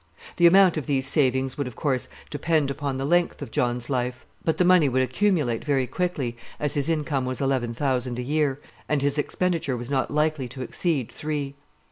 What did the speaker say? The amount of these savings would, of course, depend upon the length of John's life; but the money would accumulate very quickly, as his income was eleven thousand a year, and his expenditure was not likely to exceed three.